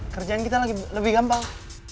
kerjaan kita lebih gampang